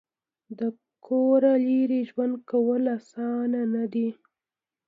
د کوره لرې ژوند کول اسانه نه دي.